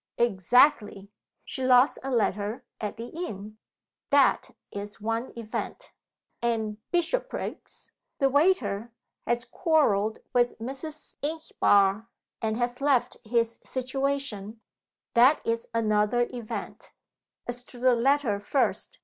"Exactly. She lost a letter at the inn; that is one event. And Bishopriggs, the waiter, has quarreled with Mrs. Inchbare, and has left his situation; that is another event. As to the letter first.